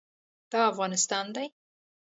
دا افغانستان دی.